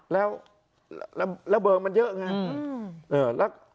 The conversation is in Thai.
แล้วเบิกมันเยอะไง